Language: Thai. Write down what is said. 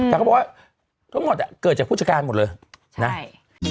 แต่เขาบอกว่าทั้งหมดเกิดจากผู้จักรจริงหมดเลย